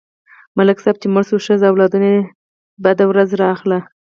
ملک صاحب چې مړ شو، ښځه او اولادونه ته بده ورځ راغله.